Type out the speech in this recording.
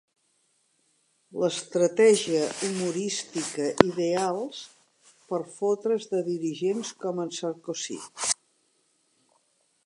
L'estratègia humorística ideals per fotre's de dirigents com en Sarkozy.